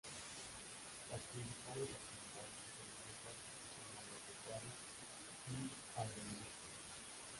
Las principales actividades económicas son la agropecuaria y agroindustria.